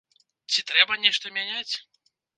Ці трэба нешта мяняць?